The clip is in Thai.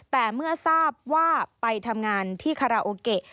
แต่เมื่อทราบว่าไปทำงานที่คาราโอเกะ